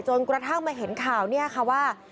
จนกระทั่งมาเห็นข่าวค่ะว่า